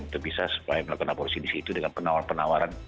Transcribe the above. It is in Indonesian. untuk bisa supaya melakukan aborsi di situ dengan penawaran penawaran